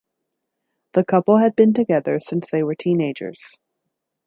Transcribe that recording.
The couple had been together since they were teenagers.